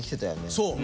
そう。